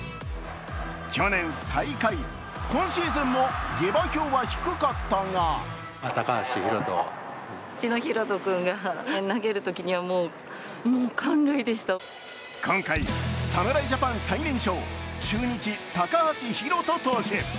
去年、最下位今シーズンも下馬評は低かったが今回、侍ジャパン最年少中日・高橋宏斗投手。